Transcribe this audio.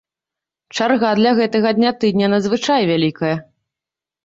Чарга для гэтага дня тыдня надзвычай вялікая.